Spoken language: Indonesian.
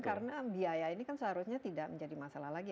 karena biaya ini kan seharusnya tidak menjadi masalah lagi